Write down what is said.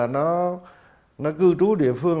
nó cư trú địa phương